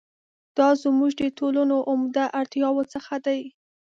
دا زموږ د ټولنو عمده اړتیاوو څخه دي.